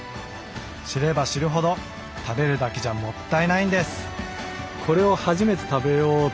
知れば知るほど食べるだけじゃもったいないんです。